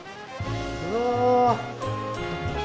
うわ。